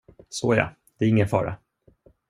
Så ja, det är ingen fara.